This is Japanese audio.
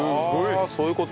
ああそういう事？